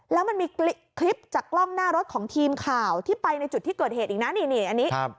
แล้วมันมีคลิปจากกล้องหน้ารถของทีมข่าวที่ไปในจุดที่เกิดเหตุอีกนะนี่นี่อันนี้